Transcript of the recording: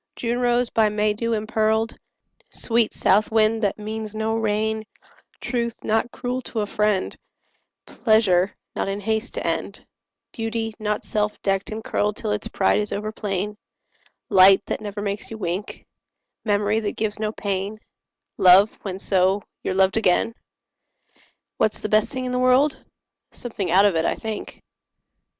June rose, by May dew impearled; Sweet south wind, that means no rain; Truth, not cruel to a friend; Pleasure, not in haste to end; Beauty, not self decked and curled Till its pride is over plain; Light, that never makes you wink; Memory, that gives no pain; Love, when, so, you're loved again. What's the best thing in the world? Something out of it, I think.